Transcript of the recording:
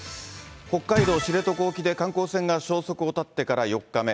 北海道知床沖で観光船が消息を絶ってから４日目。